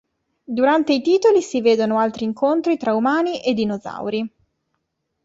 Durante i titoli si vedono altri incontri tra umani e dinosauri.